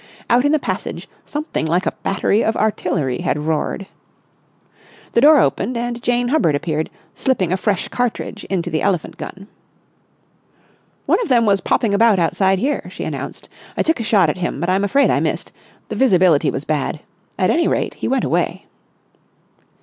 Out in the passage something like a battery of artillery had roared. The door opened and Jane Hubbard appeared, slipping a fresh cartridge into the elephant gun. "One of them was popping about outside here," she announced. "I took a shot at him, but I'm afraid I missed. The visibility was bad. At any rate he went away."